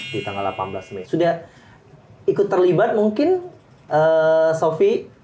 di tanggal delapan belas mei sudah ikut terlibat mungkin sofi